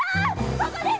ここです！